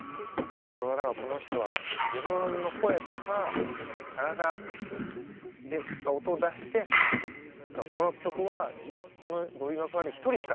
これはだからこの人は自分の声とか体でいっぱい音を出してこの曲はこのボビー・マクファーリン１人しかいない。